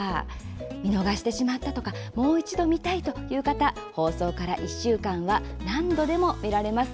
見逃してしまったとかもう一度、見たいという方放送から１週間は何度でも見られます。